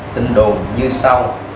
tin đồn như sau